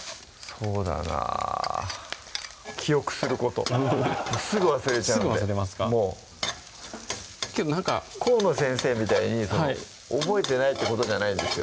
そうだなぁ記憶することすぐ忘れちゃうのですぐ忘れますかけどなんか河野先生みたいに覚えてないってほどじゃないんですよ